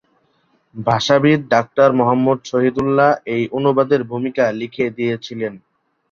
ভাষাবিদ doctor Muhammad Shahidullah এই অনুবাদের ভূমিকা লিখে দিয়েছিলেন।